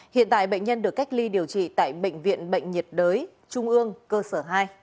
hiện tại bệnh nhân được cách ly điều trị tại bệnh viện bệnh nhiệt đới trung ương cơ sở hai